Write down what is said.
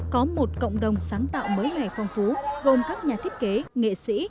có một cộng đồng sáng tạo mới ngày phong phú gồm các nhà thiết kế nghệ sĩ